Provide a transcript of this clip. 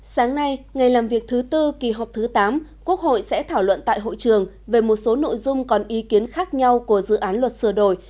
sáng nay ngày làm việc thứ tư kỳ họp thứ tám quốc hội sẽ thảo luận tại hội trường về một số nội dung còn ý kiến khác nhau của dự án luật sửa đổi